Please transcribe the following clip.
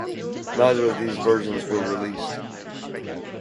Neither of these versions were released.